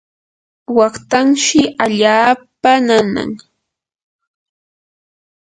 waqtanshi allaapa nanan.